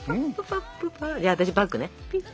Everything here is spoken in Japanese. じゃあ私バックね。